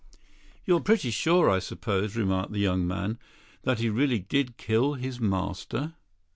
"You're pretty sure, I suppose," remarked the young man, "that he really did kill his master?"